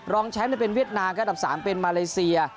รองแชมป์เป็นเวียดนามครับอันดับ๓เป็นมาเลเซีย